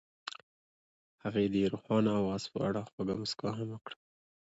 هغې د روښانه اواز په اړه خوږه موسکا هم وکړه.